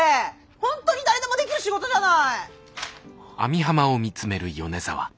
本当に誰でもできる仕事じゃない！